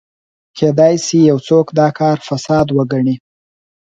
کېدای شي یو څوک دا کار فساد وګڼي.